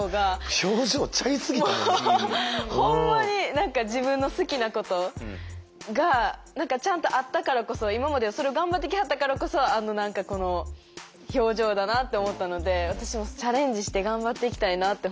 何か自分の好きなことがちゃんとあったからこそ今までそれを頑張ってきはったからこそ何かこの表情だなって思ったので私もチャレンジして頑張っていきたいなって